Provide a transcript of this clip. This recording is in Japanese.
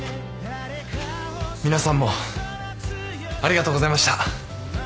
皆さんもありがとうございました。